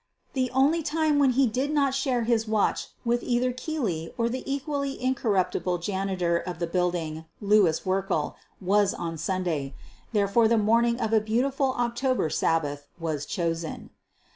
The only time when he did not share his watch with either Keely or the equally incorruptible janitor of the building, Louis Werkle, was on Sunday. Therefore, the morning of a beau tiful October Sabbath was chosen.